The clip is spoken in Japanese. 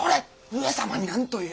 上様に何という！